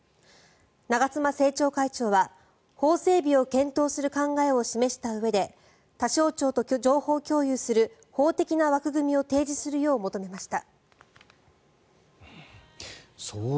長妻政調会長は法整備を検討する考えを示したうえで他省庁と情報共有する法的な枠組みを提示するよう求めました。